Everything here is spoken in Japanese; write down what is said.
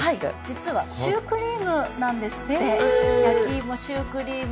実はシュークリームなんですって焼き芋シュークリーム。